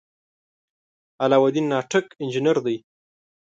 علاالدین ناټک انجنیر دی.